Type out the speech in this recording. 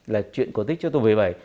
là chuyện cổ tích cho tuổi một mươi bảy